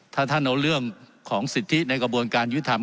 ถ้าท่านเอาเรื่องของสิทธิในกระบวนการยุทธรรม